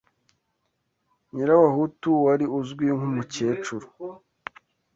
Nyirabahutu wari uzwi nk’umukecuru